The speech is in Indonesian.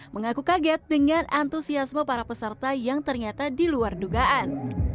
mengaku kaget dengan antusiasme para peserta yang ternyata diluar dugaan